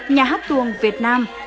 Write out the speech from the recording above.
nhà hát tuồng việt nam